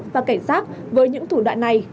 và cảnh sát với những thủ đoạn này